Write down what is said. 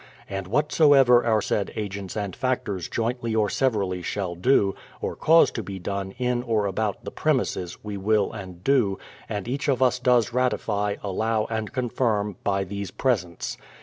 And whatsoever our said agents and factors jointly or severally shall do, or cause to be done, in or about the premises, we will and do, and each of us does ratify, allow, and confirm, by these presents.